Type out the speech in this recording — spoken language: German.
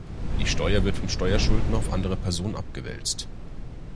Die Steuer wird vom Steuerschuldner auf andere Personen abgewälzt.